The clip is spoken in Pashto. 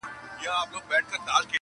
o پر ښو تلوار، پر بدو ځنډ٫